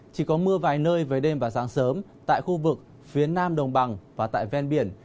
chỉ có mưa vài nơi với đêm và sáng sớm tại khu vực phía nam đồng bằng và tại ven biển